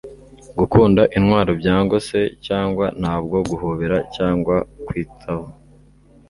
gukunda intwaro byangose cyangwa ntabwo guhobera cyangwa kwitaho